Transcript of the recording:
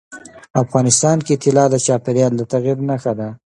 افغانستان کې طلا د چاپېریال د تغیر نښه ده.